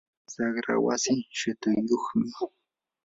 saqra wasii shutuyyuqmi.